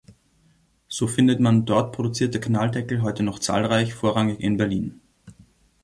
So findet man dort produzierte Kanaldeckel heute noch zahlreich, vorrangig in Berlin.